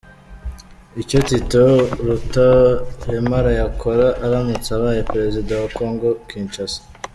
Icyo Tito Rutaremara yakora aramutse abaye Perezida wa kongo Kinshasa